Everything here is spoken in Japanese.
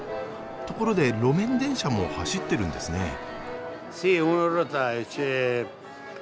⁉ところで路面電車も走ってるんですね。